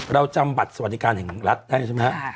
เราจำบัตรสวัสดิการแห่งรัฐได้ใช่ไหมครับ